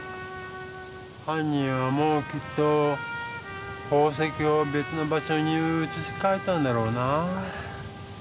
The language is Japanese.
はん人はもうきっと宝石をべつの場所にうつしかえたんだろうな。